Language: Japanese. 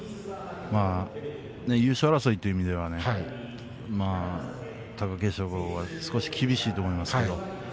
優勝争いという意味では貴景勝は少し厳しいと思います。